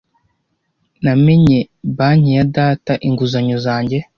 Namennye banki ya data inguzanyo zanjye